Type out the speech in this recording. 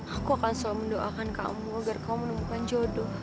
aku akan selalu mendoakan kamu agar kamu menemukan jodoh